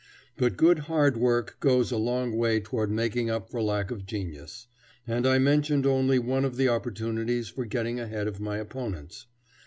But good hard work goes a long way toward making up for lack of genius; and I mentioned only one of the opportunities for getting ahead of my opponents.